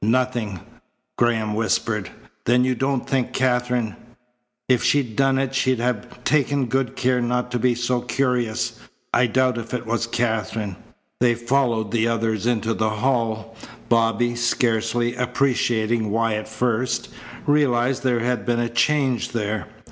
"Nothing," Graham whispered. "Then you don't think Katherine " "If she'd done it she'd have taken good care not to be so curious. I doubt if it was Katherine." They followed the others into the hall. Bobby, scarcely appreciating why at first, realized there had been a change there.